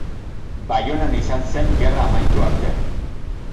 Baionan izan zen gerra amaitu arte.